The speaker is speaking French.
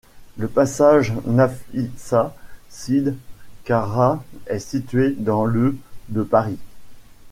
Le passage Nafissa-Sid-Cara est situé dans le de Paris.